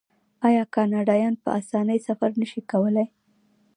آیا کاناډایان په اسانۍ سفر نشي کولی؟